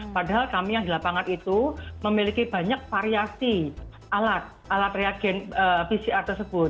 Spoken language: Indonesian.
padahal kami yang di lapangan itu memiliki banyak variasi alat alat reagen pcr tersebut